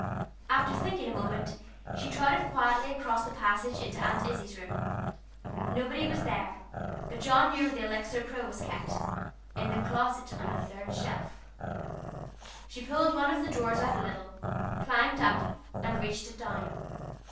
After thinking a moment, she trotted quietly across the passage into Aunt Izzie's room. Nobody was there, but John knew where the Elixir Pro was kept in the closet on the third shelf. She pulled one of the drawers out a little, climbed up, and reached it down.